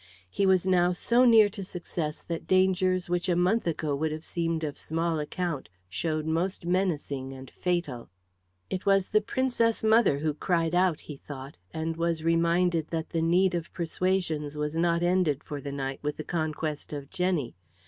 He was now so near to success that dangers which a month ago would have seemed of small account showed most menacing and fatal. "It was the Princess mother who cried out," he thought, and was reminded that the need of persuasions was not ended for the night with the conquest of Jenny.